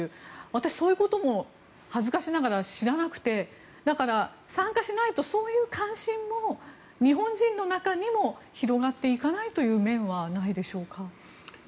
私、そういうことも恥ずかしながら知らなくてだから参加しないとそういう関心も日本人の中にも広がっていかないという面はないのでしょうか。